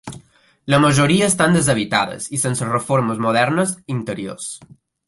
La majoria estan deshabitades i sense reformes modernes interiors.